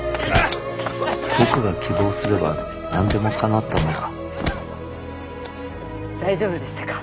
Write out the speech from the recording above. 僕が希望すれば何でもかなったのだ大丈夫でしたか？